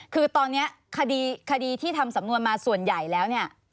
คือตอนนี้คดีที่ทำสำนวนมาส่วนใหญ่แล้วเนี่ย